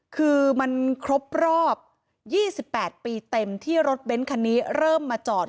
คือมันครบรอบ๒๘ปีเต็มที่รถเบ้นคันนี้เริ่มมาจอด